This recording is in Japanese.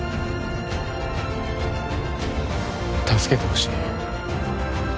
助けてほしい